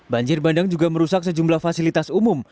banjir bandang juga merusak sejumlah fasilitas umum